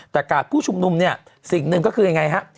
แต่ก่อนผู้ชุมนุมสิ่งหนึ่งก็คืออย่างไร